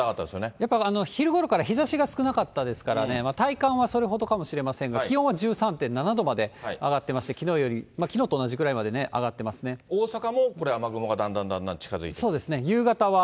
やっぱ、昼ごろから日ざしが少なかったですからね、体感はそれほどかもしれませんが、気温は１３．７度まで上がってまして、きのうと同じくらいまで上大阪もこれ、雨雲がだんだんだんだん近づいてくる？